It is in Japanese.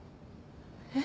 えっ？